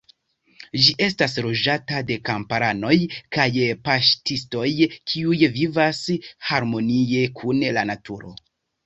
Ĝi estas loĝata de kamparanoj kaj paŝtistoj kiuj vivas harmonie kun la naturo.